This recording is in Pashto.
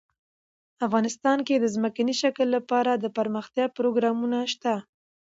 افغانستان کې د ځمکنی شکل لپاره دپرمختیا پروګرامونه شته.